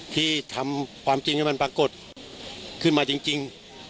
ที่ทำความจริงให้มันปรากฏขึ้นมาจริง